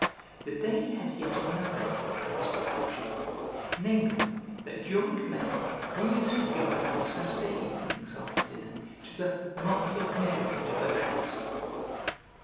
The day had yet another characteristic feature, namely, that during May we used to go out on Saturday evenings after dinner to the 'Month of Mary' devotions.